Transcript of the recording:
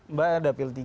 mbak ada dapil tiga